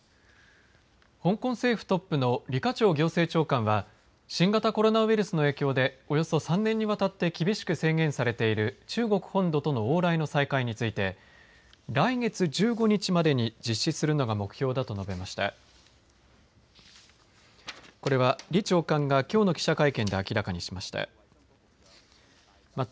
香港政府トップの李家超行政長官は新型コロナウイルスの影響でおよそ３年にわたって厳しく制限されている中国本土との往来の再開について来月１５日までに実施するのが目標だと述べました。